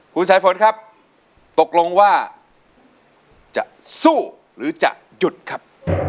คุณสายฝนครับตกลงว่าจะสู้หรือจะหยุดครับ